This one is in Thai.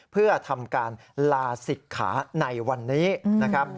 เพื่อทำการลาศิกขาในวันนี้นะครับ